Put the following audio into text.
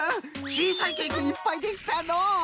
ちいさいケーキいっぱいできたのう！